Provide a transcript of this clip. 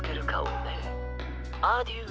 アデュー。